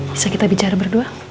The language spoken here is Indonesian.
bisa kita bicara berdua